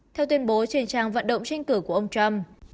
theo tuyên bố trên trang vận động tranh cử của ông trump